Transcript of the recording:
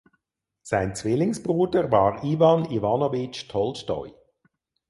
Sein Zwillingsbruder war Iwan Iwanowitsch Tolstoi.